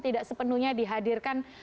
tidak sepenuhnya dihadirkan